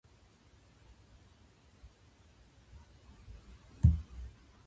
一週間が七日なのって、世界共通なのかな？